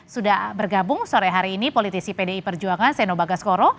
sudah bergabung sore hari ini politisi pdi perjuangan seno bagas koro